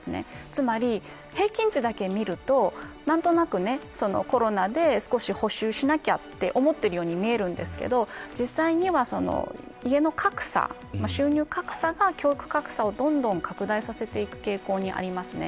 つまり、平均値だけ見ると何となく、コロナで少し補習しなきゃと思っているように見えるんですが実際には、家の格差収入格差が教育格差をどんどん拡大させていく傾向にありますね。